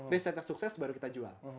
risetnya sukses baru kita jual